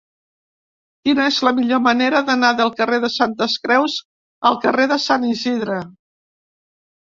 Quina és la millor manera d'anar del carrer de Santes Creus al carrer de Sant Isidre?